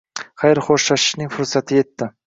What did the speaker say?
Xayr-xo‘shlashishning fursati yetdi